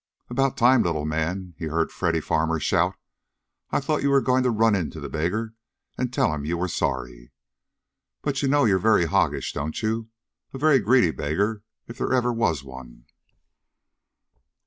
"About time, little man!" he heard Freddy Farmer shout. "I thought you were going to run into the beggar, and tell him you were sorry. But you know you're very hoggish, don't you. A very greedy beggar, if there ever was one."